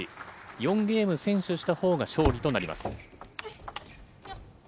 ４ゲーム先取したほうが勝利となります。